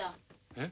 えっ？